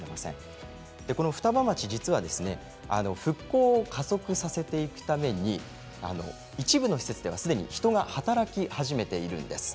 双葉町は実は復興を加速させていくために一部の施設では、すでに人が働き始めています。